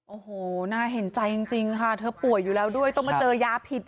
โอ้โหน่าเห็นใจจริงค่ะเธอป่วยอยู่แล้วด้วยต้องมาเจอยาผิด